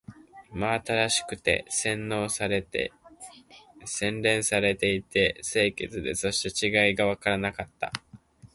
真新しくて、洗練されていて、清潔で、そして違いがわからなかった